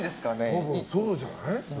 多分そうじゃない？